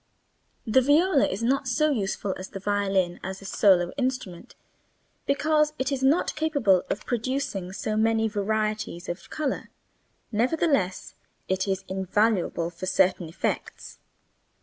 The viola is not so useful as the violin as a solo instrument because it is not capable of producing so many varieties of color, nevertheless it is invaluable for certain effects.